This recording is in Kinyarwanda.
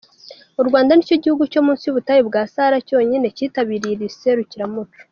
U Rwanda nicyo gihugu cyo munsi y’ubutayu bwa Sahara cyonyine kitabiriye iri serukiramuco.